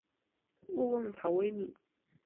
勿忘草微米。